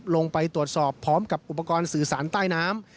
ลงไปตรวจสอบพร้อมกับอุปกรณ์สื่อสารใต้น้ำ